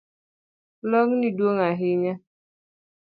Long’ni duong’ ahinya